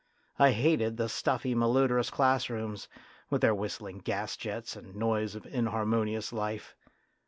I hated the stuffy malodorous class rooms, with their whistling gas jets and noise of inharmonious life.